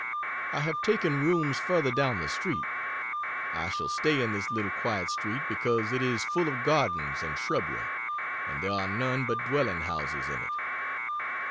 I have taken rooms further down the street. I shall stay in this little quiet street, because it is full of gardens and shrubbery, and there are none but dwelling houses in it.